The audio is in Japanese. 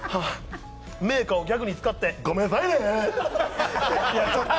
銘菓をギャグに使って、ごめんなさいねぇ。